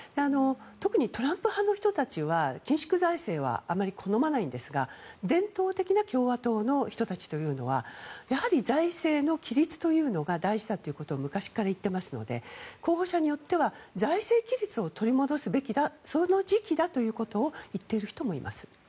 特にトランプ派の人たちは緊縮財政はあまり好まないんですが伝統的な共和党の人たちというのは財政の規律というのが大事だということを昔から言っていますので候補者によっては財政規律を取り戻すべきだその時期だということを言っている人もいます。